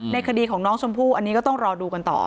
คดีของน้องชมพู่อันนี้ก็ต้องรอดูกันต่อ